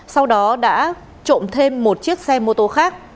sau đó đã trộm thêm một chiếc xe mô tô khác